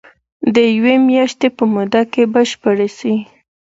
د يوې مياشتي په موده کي بشپړي سي.